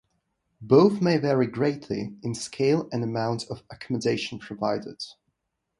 Both may vary greatly in scale and amount of accommodation provided.